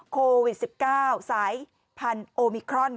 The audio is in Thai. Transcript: โควิด๑๙สายพันธุ์โอมิครอน